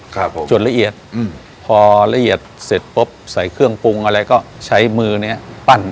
ครับผมจดละเอียดอืมพอละเอียดเสร็จปุ๊บใส่เครื่องปรุงอะไรก็ใช้มือเนี้ยปั้น